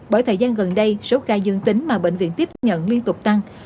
bởi thời gian gần đây số ca dương tính mà bệnh viện tiếp nhận liên tục tăng